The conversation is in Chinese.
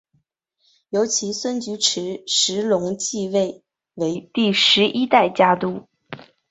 由其孙菊池时隆继位为第十一代家督。